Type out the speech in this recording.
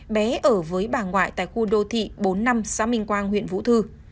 bé ở với bà ngoại tại khu đô thị bốn mươi năm xã minh quang huyện vũ thư